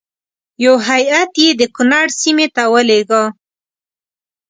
یو هیات یې د کنړ سیمې ته ولېږه.